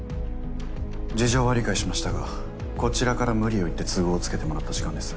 事情は理解しましたがこちらから無理を言って都合をつけてもらった時間です。